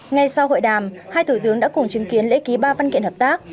ngay sau hội đàm hai thủ tướng đã cùng chứng kiến lễ ký ba văn kiện hợp tác